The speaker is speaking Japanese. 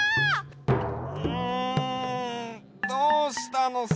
うんどうしたのさ？